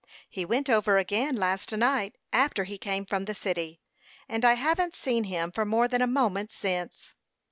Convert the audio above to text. He went over again last night, after he came from the city, and I haven't seen him for more than a moment since."